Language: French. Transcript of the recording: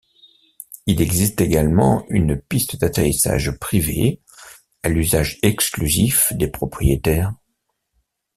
Il existe également une piste d'atterrissage privée à l'usage exclusif des propriétaires.